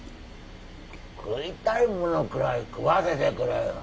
食いたいものくらい食わせてくれよ